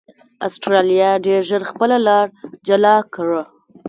اسټرالیا ډېر ژر خپله لار جلا کړه.